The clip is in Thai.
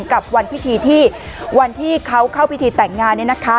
กับวันพิธีที่วันที่เขาเข้าพิธีแต่งงานเนี่ยนะคะ